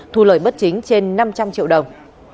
thu lời bất chính trên năm trăm linh triệu đồng